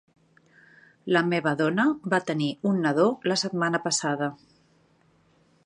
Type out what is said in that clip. La meva dona va tenir un nadó la setmana passada.